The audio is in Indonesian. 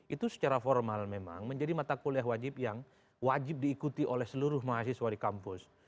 itu secara formal memang menjadi mata kuliah wajib yang wajib diikuti oleh seluruh mahasiswa di kampus